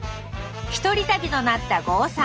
１人旅となった郷さん